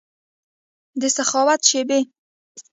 دسخاوت شیبې